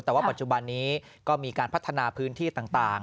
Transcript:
แต่ว่าปัจจุบันนี้ก็มีการพัฒนาพื้นที่ต่าง